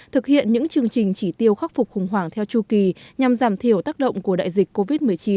thực hiện những chương trình chỉ tiêu khắc phục khủng hoảng theo chu kỳ nhằm giảm thiểu tác động của đại dịch covid một mươi chín